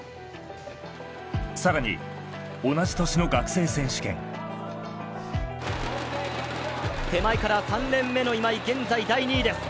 さらに同じ年の学生選手権手前から３レーン目の今井現在第２位です